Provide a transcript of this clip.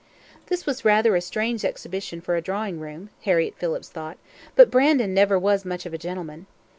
This was rather a strange exhibition for a drawing room, Harriett Phillips thought, but Brandon never was much of a gentleman.